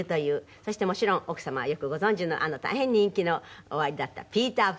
そしてもちろん奥様はよくご存じのあの大変人気のおありだったピーター・パンでいらっしゃいます。